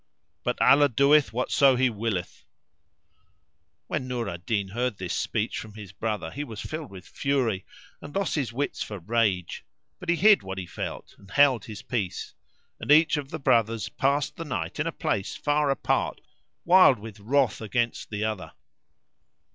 But Allah doeth whatso He willeth."[FN#368] When Nur al Din heard this speech from his brother, he was filled with fury and lost his wits for rage; but he hid what he felt and held his peace; and each of the brothers passed the night in a place far apart, wild with wrath against the other.